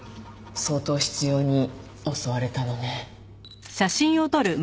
相当執拗に襲われたのね。